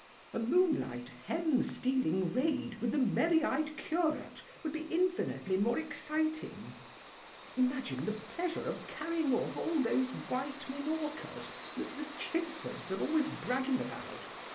A moonlight hen stealing raid with the merry eyed curate would be infinitely more exciting; imagine the pleasure of carrying off all those white minorcas that the Chibfords are always bragging about.